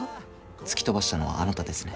突き飛ばしたのはあなたですね？